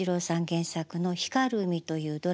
原作の「光る海」というドラマ